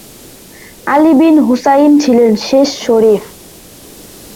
আলি বিন হুসাইন ছিলেন শেষ শরিফ।